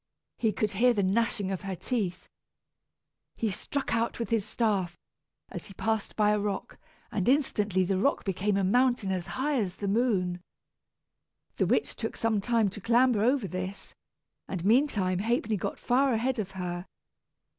He could hear the gnashing of her teeth. He struck out with his staff, as he passed by a rock, and instantly the rock became a mountain as high as the moon. The witch took some time to clamber over this, and meantime Ha'penny got far ahead of her.